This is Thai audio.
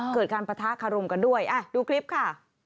เกิดการปะทะคารมกันด้วยดูคลิปค่ะ